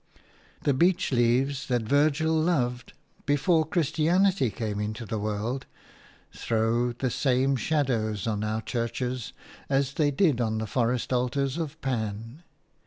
The beech leaves that Virgil loved before Christianity came into the world throw the same shadows on our churches as they did on the forest altars of Pan.